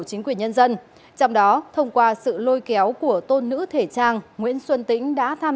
chính quyền nhân dân trong đó thông qua sự lôi kéo của tôn nữ thể trang nguyễn xuân tĩnh đã tham